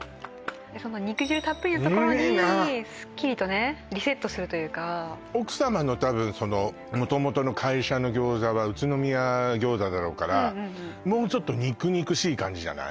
その肉汁たっぷりのところにいいねすっきりとねリセットするというか奥さまのたぶんその元々の会社の餃子は宇都宮餃子だろうからもうちょっと肉肉しい感じじゃない？